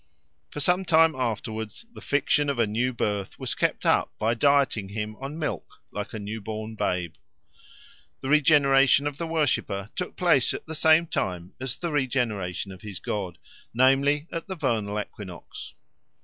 For some time afterwards the fiction of a new birth was kept up by dieting him on milk like a new born babe. The regeneration of the worshipper took place at the same time as the regeneration of his god, namely at the vernal equinox.